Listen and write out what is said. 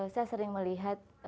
saya sering melihat